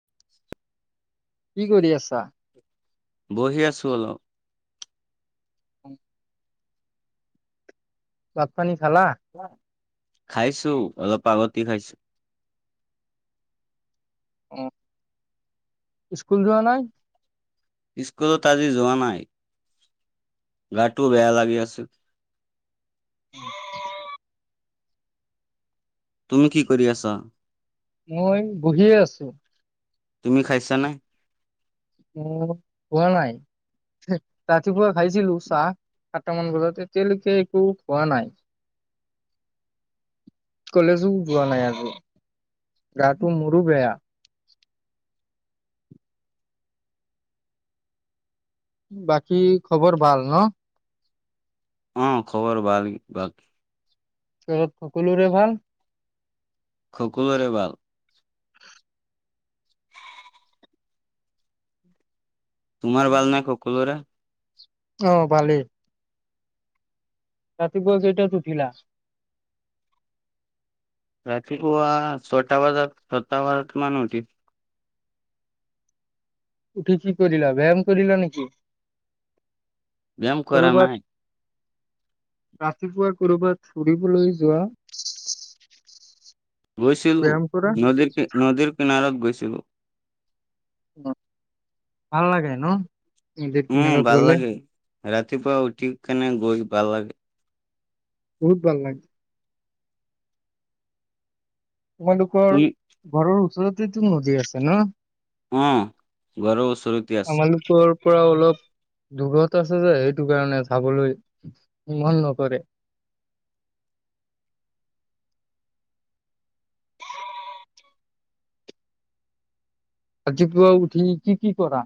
[inaudible] কি কৰি আছা? বহি আছোঁ অলপ। [inaudible] ভাত পানী খালা? [inaudible] খাইছোঁ অলপ আগতি খাইছোঁ। আহ স্কুল যোৱা নাই? স্কুলত আজি যোৱা নাই। গাটো বেয়া লাগি আছিল। [inaudible] তুমি কি কৰি আছা? মই বহিয়ে আছোঁ। তুমি খাইছা নাই? অ খোৱা নাই ৰাতিপুৱা খাইছিলোঁ চাহ সাতটা মান বজাত এতিয়ালৈকে একো খোৱা নাই কলেজো যোৱা নাই আজি গাটো মোৰো বেয়া। বাকী খবৰ ভাল ন? অ খবৰ ভাল বাক। চৰত সকলোৰে ভাল? সকোলোৰে ভাল। তোমাৰ ভাল নাই খকলোৰে? অ' ভালেই। ৰাতিপুৱা কেইটাত উঠিলা? ৰাতি পোৱা ছয়টা সাতটা বজাত সমান উঠি উঠি কি কৰিলা ব্যায়াম কৰিলা নেকি? ব্যায়াম কৰা কৰবাত নাই। ৰাতিপুৱা কৰ'বাত ফুৰিবলৈ যোৱা গৈছিলোঁ ব্যায়াম কৰা নদীৰ নদীৰ কিনাৰত গৈছ ছেলো ভাল লাগে ন'? নদীৰ উম, কিনাৰত ভাল গ'লে লাগে। ৰাতিপুৱা উঠি কেনে গৈ ভাল লাগে। বহুত ভাল লাগে। তোমালোকৰ তুমি ঘৰৰ ওচৰত। নদী আছে ন'? অ‌', ঘৰৰ ওচৰতে আমালোকৰ পৰা আছে। অলপ দূৰত আছে যে সেইটো কাৰণে চাবলৈ মন নকৰে। আজিপুৱা উঠি কি কি কৰা?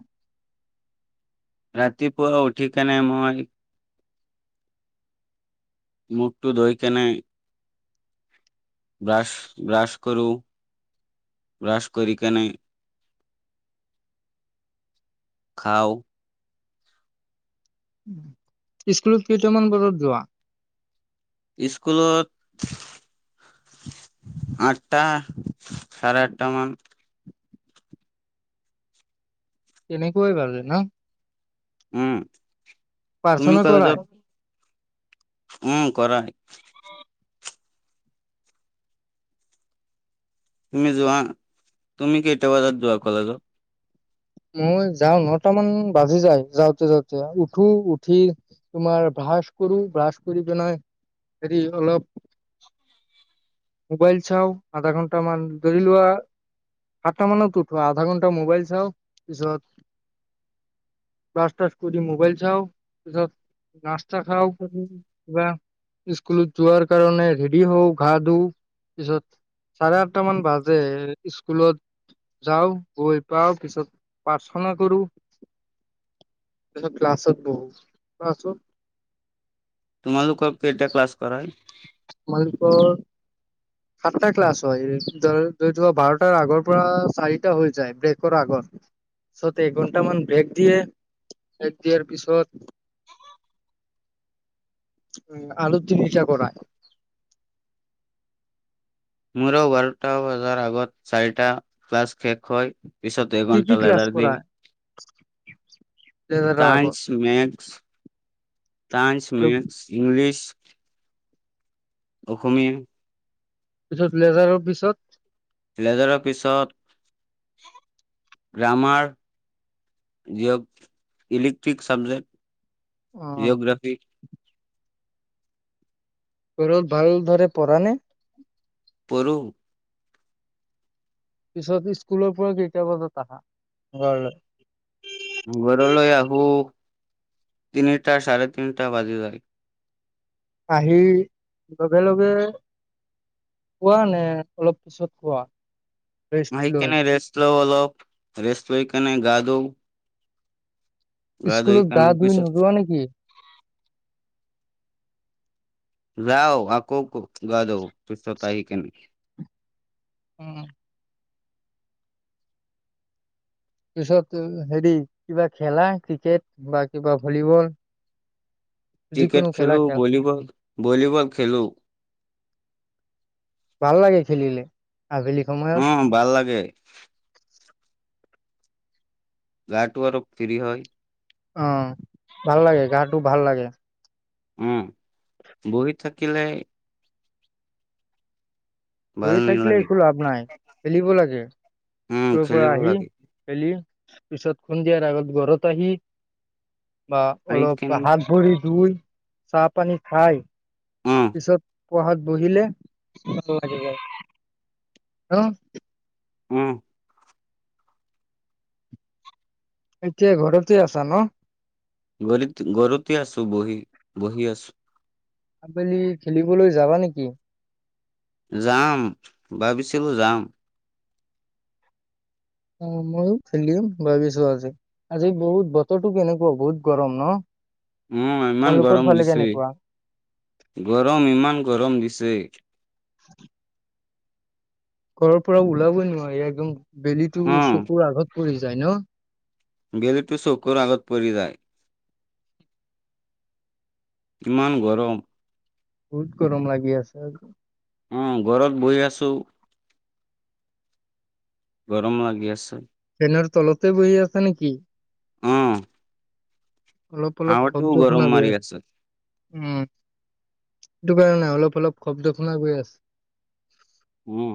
ৰাতিপুৱা উঠিকেনে মই মুখটো ধুই‌ কেনে ব্ৰাছ ব্ৰাছ কৰো ব্ৰাছ কৰি কেনে খাও স্কুলত কেইটামান বজাত যোৱা? স্কুলত আঠটা, চাৰে আঠটা মান এনেকৈই ভাল ন? উম তুমি প্ৰাৰ্থনা কলেজ কৰাই? উম কৰা তুমি যোৱা, তুমি কে কেইটাবজাত‌ যোৱা কলেজত? মই যাওঁ ন'টা মান বাজি যায় যাওঁতে যাওঁতে উঠো উঠি তোমাৰ ভ্ৰাছ কৰো ব্ৰাছ কৰি পেনাই হেৰি অলপ মোবাইল চাও আধা ঘন্টা মান ধৰি লোৱা সাতটা মানত উঠো আধা ঘন্টা মোবাইল চাও পিছত‌‌ [unintelligible] কৰি মোবাইল চাও পিছত নাষ্টা [unintelligible] খাওঁ [unintelligible] স্কুলত যোৱাৰ কাৰণে ৰেডি হওঁ, ঘা ধু পিছত চাৰে আঠট মান বাজে স্কুলত যাওঁ, গৈ পাওঁ পিছত প্ৰাৰ্থনা কৰো। পিছত ক্লাছত বহো ক্লাছত তোমালোকক‌ কেইটা ক্লাছ কৰাই? আমালোকৰ সাতটা ক্লাছ হয় [unintelligible] বাৰটাৰ আগৰ পৰা চাৰিটা হৈ যায় ব্ৰেকৰ আগৰ পিছত এঘন্টামান ব্ৰেক দিয়ে ব্ৰেক দিয়াৰ পিছত উ আৰু তিনটা কৰাায় মোৰ বাৰটা বজাৰ আগত চাৰিটা ক্লাছ শেষ হয়। পিছত কি কি এঘণ্টা ক্লাছ লেজাৰ দিয় কৰাই লেজাৰৰ আগত চাইন্স মেথচ চাইন্ঞ্চ, আৰু মেথচ, ইংলিছ অসমীয়া পিছত লেজাৰৰ পিছত লেজাৰৰ পিছত [unintelligible] গ্ৰামাৰ [unintelligible] ইলেক্ট্ৰিক চাবজেক্ট অ জঅ'গ্ৰাফি ঘৰত ভাল দৰে পঢ়া নে? পঢ়ো। পিছত স্কুলৰ পৰা কেইটা বজাত আহা ঘৰলৈ? ঘৰলৈ আহো তিনিটা, চাৰে তিনিটা বাজি যায়। আহি লগে লগে খোৱা নে, অলপ পিছত খোৱা? ৰেষ্ট আহি লৈ কেনে ৰেষ্ট লও অলপ। ৰেষ্ট লৈ কেনে গা ধু। ইস্কুলত গা ধুই পিছত নোযোৱা নেকি? যাওঁ, আকৌ ক গা ধু পিছত। তাই [unintelligible] উম। পিছত, উ-হেৰি কিবা খেলা ক্ৰিকেট বা কিবা ভলীবল? ক্ৰিকেট যিকোনো খেলা খেলু, খেল ভলীবল-ভলীবল খেলু। ভাল লাগে খেলিলে। আবেলি সময়ত অ', ভাল লাগে। গাটো আৰু ফ্ৰী হৈ অ', ভাল লাগে, গাটো ভাল লাগে। উম, বহি থাকিলে ভাল কৰি থাকিলে নালাগে একো লাভ নাই খেলিব লাগে উম স্কুলৰ পৰা খেলিব আহি লাগে খেলি। পিছত সন্ধিয়াৰ আগত ঘৰত আহি বা আহি কেনে অলপ হাত ভৰি ধুই। চাহ পানী খাই। উম পিছত পঢ়াত বহিলে ভাল লাগি যায়, হ উম। এতিয়া ঘৰতে আছা ন? গলীত-ঘৰতে আছো বহি। বহি আছো। আবেলি খেলিবলৈ যাবা নেকি? যাম, ভাবিছিলো যাম। অ', ময়ো খেলিম ভাবিছো আজি। আজি বহুত বতৰটো কেনেকুৱা, বহুত গৰম ন? উম ইমান তোমালোকৰ গৰম ফালে দিছে, কেনেকুৱা গৰম ইমান গৰম দিছে। ছে ঘৰৰ পৰা ওলাবই নোৱাৰি একদম বেলি টো অ' চকুৰ আগত। পৰি যায় ন? বেলিটো চকুৰ আগত পৰি যায়। কিমান গৰম? বহুত গৰম লাগি আছে আৰু উম্, ঘৰত বহি আছু। গৰম লাগি আছে। ফেনৰ তলতে বহি আছা নেকি? অলপ অলপ হাৱা শব্দ টোও শুনা গৰম গৈ মাৰি আছে। উম ইটো কাৰণে অলপ অলপ শব্দ শুনা গৈ আছে। উম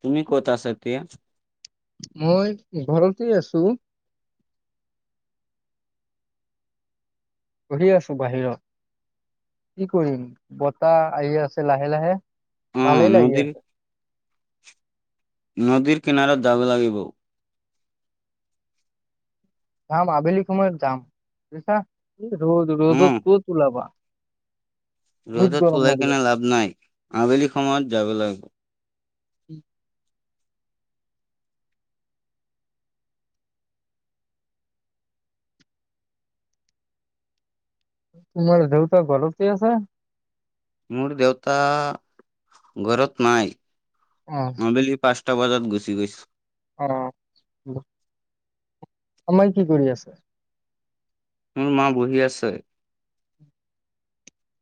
তুমি ক'ত আছা তিয়া মই ঘৰতে আছো। বহি আছো বাহিৰত কি কৰিম বতাহ আহি আছে লাহে লাহে অ' ভালেই লাগি নদীৰ আছে। নদীৰ কিনাৰত যাব লাগিব যাম আবেলি সময়ত যাম বুইছা ৰ'দ ৰ'দত উম, ক'ত ওলাবা বহুত ৰ'দত গৰম ওলাই মাৰি কেনে আছে। লাভ নাই, আবেলি সময়ত যাব লাগিব। উম। তোমাৰ দেউতা ঘৰতে আছে। মোৰ দেউতা, ঘৰত নাই। অ আবেলি পাঁচ আঠটা বজাত গুচি গৈছে। অ'। অময় কি কৰি আছে? মোৰ মা বহি আছে।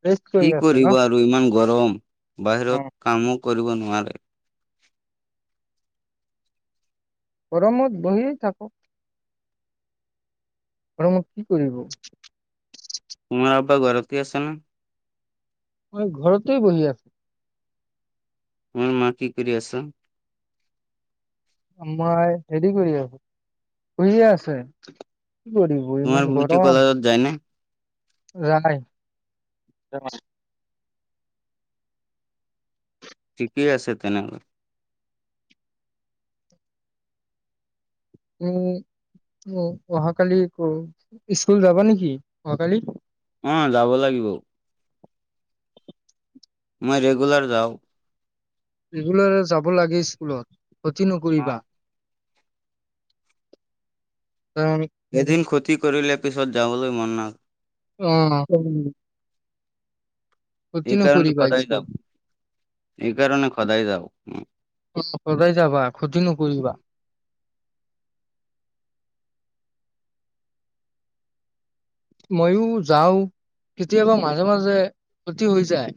ৰেষ্ট কি কৰি আছে ন কৰিব আৰু ইমান গৰম। [inaudible] বাহিৰত অ কামক কৰিব নোৱাৰে। গৰমত বহিয়ে থাকোক। গৰমত কি কৰিব? তোমাৰ আব্বা ঘৰতেই আছে না? মই ঘৰতেই বহি আছো। মোৰ মা কি কৰি আছা? মই হেৰি কৰি আছো, শুইয়ে আছে। কি কৰিব ইমান তোমাৰ বটি গৰম কদালত যায়নে? [unintelligible] ঠিকেই আছে তেনেহ'লে মি অহাকালি কু ইস্কুল যাবা নেকি অহাকালি? অ', যাব লাগিব, মই ৰেগুলাৰ যাওঁ। ৰেগুলাৰই যাম যাব লাগে স্কুলত, ক্ষতি নকৰিবা। অ' কাৰণ এদিন ক্ষতি কৰিলে পিছত যাবলৈ মনা অ'। ক্ষতি এইকাৰণে নকৰিবা সদায় স্কুল যাওঁ, এই কাৰণে সদায় যাওঁ। সদায় যাবা খতি নকৰিবা। ময়ো যাওঁ, কেতিয়াবা মাজে, মাজে ক্ষতি হৈ যায়।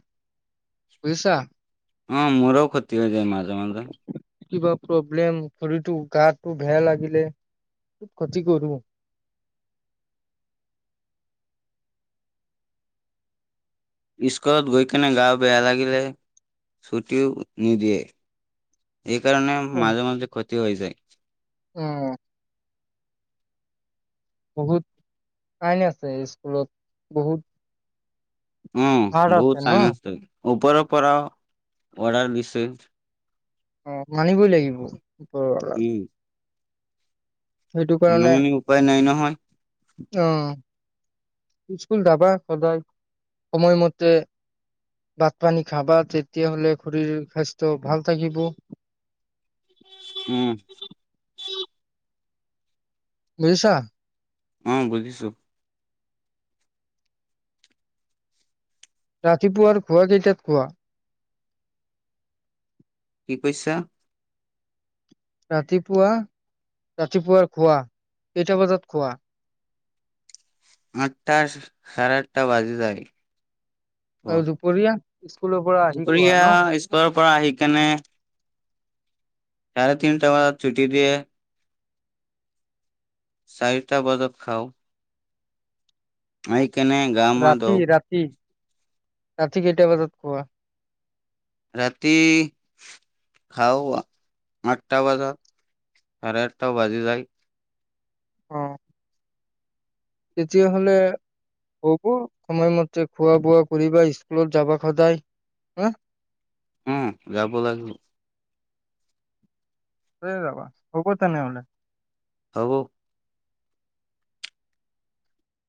বুজিছা? অ', মোৰও ক্ষতি হৈ যায় মাজে, মাজে। কিবা প্ৰব্লেম খৰিটো গাটো, বেয়া লাগিলে ক্ষতি কৰোঁ। স্কুলত গৈ কিনে গা বেয়া লাগিলে ছুটিও নিদিয়ে। এইকাৰণে অ মাজে মাজে ক্ষতি হৈ যায়। বহুত আইন আছে স্কুলত বহুত উম, ভাৰ আছে বহুত ন চাইন আছে। ওপৰৰ পৰাও অৰ্ডাৰ দিছে। অ', মানিবই লাগিব। পৰা না মানে উপায় নাই নহয়। অহ, ইস্কুল যাবা সদায়, সময়মতে ভাত পানী খাবা, তেতিয়া হ'লে শৰীৰ স্বাস্থ্য ভাল থাকিব। উম। বুজিছা? অ', বুজিছো। ৰাতিপুৱাৰ খোৱা কেইটাত খোৱা? কি কৈছা? ৰাতিপুৱা ৰাতিপুৱাৰ খোৱা কেইটা বজাত খোৱা। আঠটা চাৰে, আঠটা বাজি যায়। আৰু অ', দুপৰীয়া স্কুলৰ পৰা আহি খোৱা ন দুপৰীয়া স্কুলৰ পৰা আহি কেনে চাৰে তিনটা বজাত ছুটি দিয়ে। চাৰিটা বজাত খাওঁ। আই। ৰাতি ৰাতি। ৰাতি কেইটা বজাত খোৱা। ৰাতি খাওঁ আঠটা বজাত চাৰে আঠটাও বাজি যায়। অ'। তেতিয়াহলে হ'ব সময়মতে খোৱা বোৱা কৰিব স্কুলত যাবা সদায় হা হম যাব লাগিব। হয় যাবা হ'ব তেনেহঁলে। হ'ব।